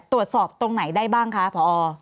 ตรวจสอบตรงไหนได้บ้างคะพอ